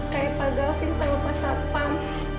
kayak pak gaffin sama pak satpam